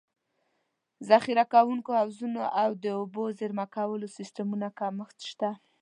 ذخیره کوونکو حوضونو او د اوبو د زېرمه کولو سیستمونو کمښت شته.